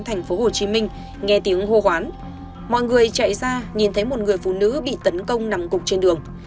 tp hcm nghe tiếng hô hoán mọi người chạy ra nhìn thấy một người phụ nữ bị tấn công nằm cục trên đường